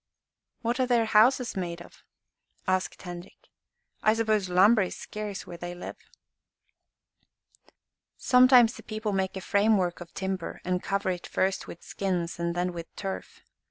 "What are their houses made of?" asked Henrik. "I suppose lumber is scarce where they live." "Sometimes the people make a frame work of timber and cover it first with skins and then with turf.